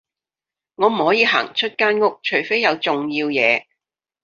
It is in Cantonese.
我唔可以行出間屋，除非有重要嘢